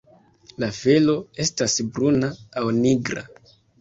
La felo estas bruna aŭ nigra.